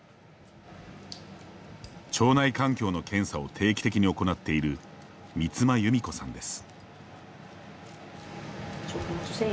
腸内環境の検査を定期的に行っている三間由美子さんです。